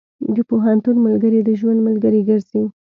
د پوهنتون ملګري د ژوند ملګري ګرځي.